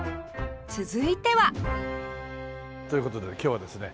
続いてはという事で今日はですね